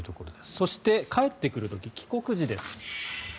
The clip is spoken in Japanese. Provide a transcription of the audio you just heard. そして、帰ってくる時帰国時です。